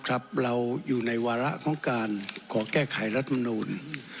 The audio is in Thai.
ครับเราอยู่ในวาระของการขอแก้ไขรัฐมนุษย์